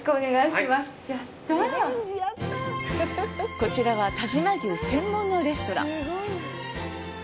こちらは但馬牛専門のレストラン。